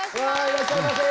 いらっしゃいませ。